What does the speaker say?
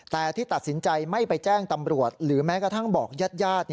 แต่ที่ตัดสินใจไม่ไปแจ้งตำรวจหรือแม้กระทั่งบอกญาติญาติ